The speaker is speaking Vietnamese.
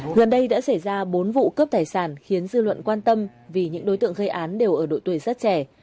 gần đây đã xảy ra bốn vụ cướp tài sản khiến dư luận quan tâm vì những đối tượng gây án đều ở đội tuổi rất trẻ